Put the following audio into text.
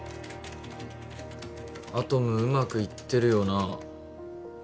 アトムうまくいってるよな